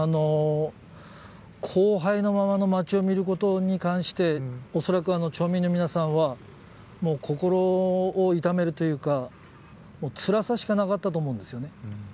荒廃のままの町を見ることに対して、恐らく町民の皆さんはもう心を痛めるというか、つらさしかなかったと思うんですよね。